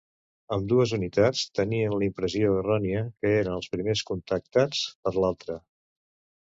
Ambdues unitats tenien la impressió errònia que eren els primers contactats per l'altre.